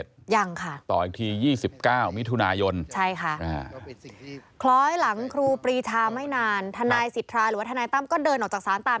เดี๋ยวจะได้ไปร้องเพลงต่อครับ